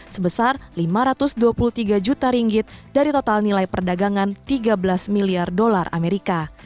sebesar lima ratus dua puluh tiga juta ringgit dari total nilai perdagangan tiga belas miliar dolar amerika